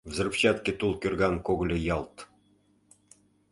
Взрывчатке тул кӧрган когыльо ялт!